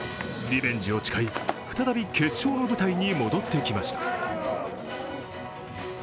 リベンジを誓い、再び決勝の舞台に戻ってきました。